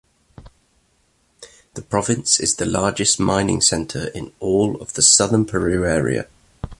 The province is the largest mining center in all of the southern Peru area.